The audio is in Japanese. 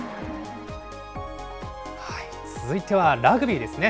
続いてはラグビーですね。